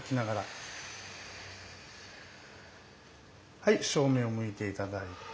はい正面を向いて頂いて。